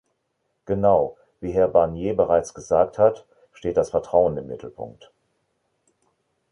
Genau, wie Herr Barnier bereits gesagt hat, steht das Vertrauen im Mittelpunkt.